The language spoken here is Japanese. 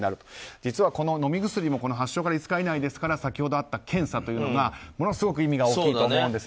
実は、この飲み薬も発症から５日以内ですから先ほどあった検査がものすごく意味が大きいと思うんです。